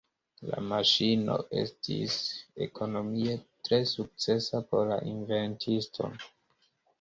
La maŝino estis ekonomie tre sukcesa por la inventisto.